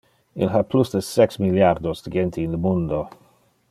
Il ha plus de sex milliardos de gente in le mundo.